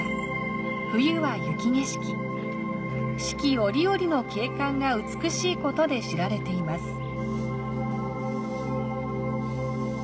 四季折々の景観が美しいことで知られています。